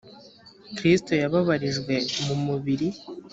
kristo yababarijwe mu mubiri